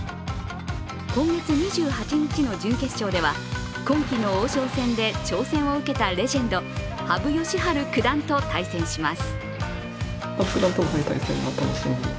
今月２８日の準決勝では今期の王将戦で挑戦を受けたレジェンド羽生善治九段と対戦します。